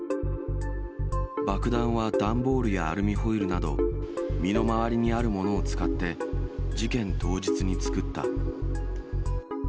爆弾は段ボールやアルミホイルなど、身の回りにあるものを使って事件当日に作った。